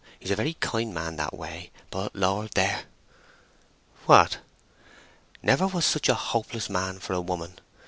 He's a very kind man that way, but Lord—there!" "What?" "Never was such a hopeless man for a woman!